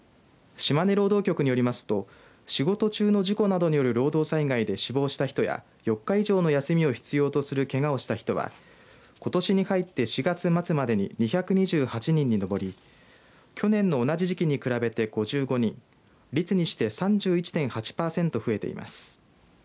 島根労働局によりますと仕事中の事故などによる労働災害で死亡した人や４日以上の休みを必要とするけがをした人はことしに入って４月末までに２２８人に上り去年の同じ時期に比べて５５人率にして３１．８パーセント増えています。